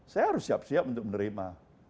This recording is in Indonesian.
saya harus siap siap untuk menerima